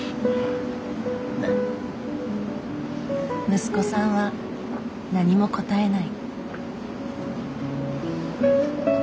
息子さんは何も答えない。